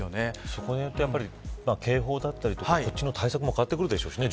それによってやっぱり警報だったりとかこっちの対策も変わってくるでしょうしね。